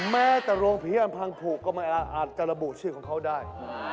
แม้แต่โรงผีอำพังผูกก็อาจจะระบุชื่อของเขาได้